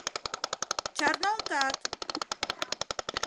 Чарналтат.